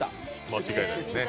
間違いないですね。